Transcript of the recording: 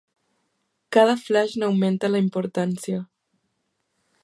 Cada flaix n'augmenta la importància.